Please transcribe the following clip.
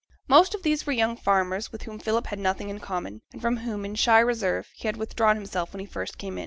Most of these were young farmers, with whom Philip had nothing in common, and from whom, in shy reserve, he had withdrawn himself when he first came in.